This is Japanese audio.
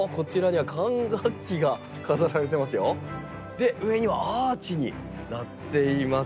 で上にはアーチになっています。